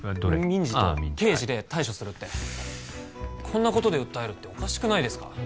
民事と刑事で対処するってああ民事こんなことで訴えるっておかしくないですか？